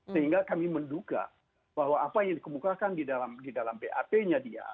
sehingga kami menduga bahwa apa yang dikemukakan di dalam bap nya dia